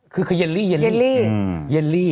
คือเยลลี่